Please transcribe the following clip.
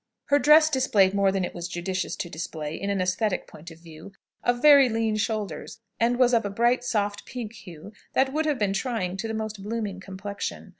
Her dress displayed more than it was judicious to display, in an æsthetic point of view, of very lean shoulders, and was of a bright, soft, pink hue, that would have been trying to the most blooming complexion.